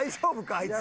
あいつ。